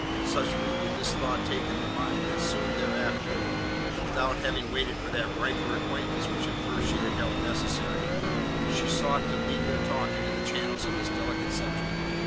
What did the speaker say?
Such root did this thought take in her mind that soon thereafter and without having waited for that riper acquaintance which at first she had held necessary she sought to lead their talk into the channels of this delicate subject.